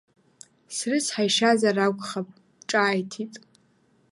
Срыцҳаишьазар акәхап, ҿааҭит…